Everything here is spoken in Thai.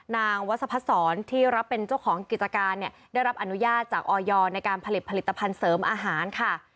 นางวัสพศรที่รับเป็นเจ้าของกิจการเนี่ยได้รับอนุญาตจากออยในการผลิตผลิตภัณฑ์เสริมอาหารค่ะ